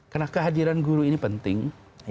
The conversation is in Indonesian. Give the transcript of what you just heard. karena kehadiran guru ini penting